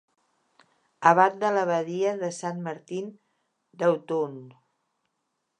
Abat de l'abadia de Sant Martin d'Autun.